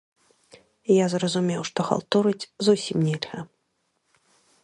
Я зразумеў, што халтурыць зусім нельга!